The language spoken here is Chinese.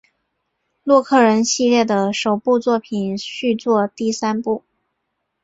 洛克人系列的首部作品续作第三部。